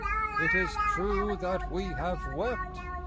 It is true That we have wept.